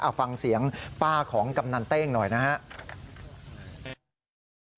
เอาฟังเสียงป้าของกำนันเต้งหน่อยนะครับ